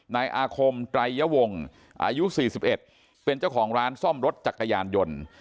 นายอาคมไตรยวงอายุ๔๑เป็นเจ้าของร้านซ่อมรถจักรยานยนต์